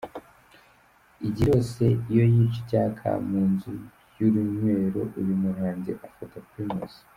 Igihe cyose iyo yica icyaka mu nzu z’urunywero, uyu muhanzi afata Primus.